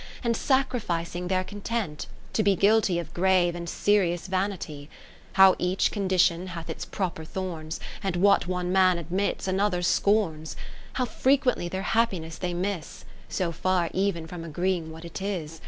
And sacrificing their content, to be Guilty of grave and serious vanity ; How each condition hath its proper thorns. And what one man admits, another scorns ; How frequently their happiness they miss. So far even from agreeing what it is.